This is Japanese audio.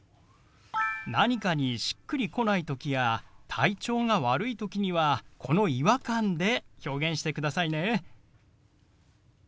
何かにしっくりこない時や体調が悪い時にはこの「違和感」で表現してくださいね。